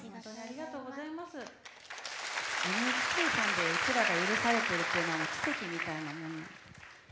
ＮＨＫさんでうちらが許されてるのは奇跡みたいなもので。